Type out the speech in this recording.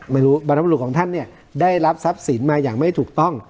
บรรพบรุษของท่านเนี่ยได้รับทรัพย์สินมาอย่างไม่ถูกต้อง